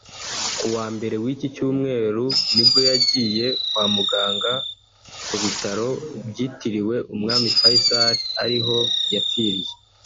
Kuwa mbere w’iki cyumweru ni bwo yagiye kwa muganga ku Bitaro byitiriwe Umwami Fayscal ari ho yapfiriye